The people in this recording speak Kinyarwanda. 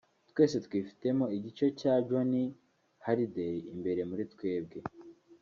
Twese twifitemo igice cya Johnny Hallyday imbere muri twebwe